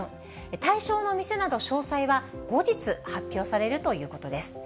対象の店など詳細は後日発表されるということです。